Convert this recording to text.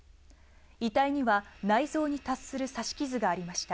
遺体には内臓に達する刺し傷がありました。